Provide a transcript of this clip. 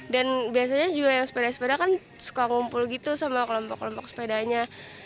dan biasanya juga yang sepeda sepeda kan suka ngumpul gitu sama kelompok kelompok sepedanya